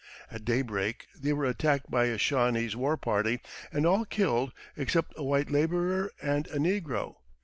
At daybreak they were attacked by a Shawnese war party and all killed except a white laborer and a negro.